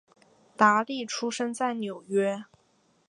达利出生在纽约。